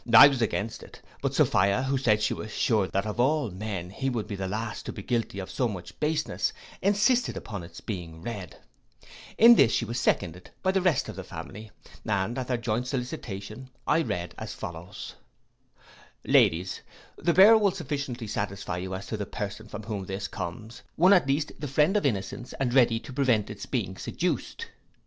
I was against it; but Sophia, who said she was sure that of all men he would be the last to be guilty of so much baseness, insisted upon its being read, In this she was seconded by the rest of the family, and, at their joint solicitation, I read as follows:— 'LADIES,—The bearer will sufficiently satisfy you as to the person from whom this comes: one at least the friend of innocence, and ready to prevent its being seduced.